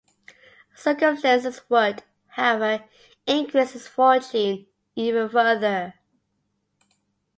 Circumstances would, however, increase his fortune even further.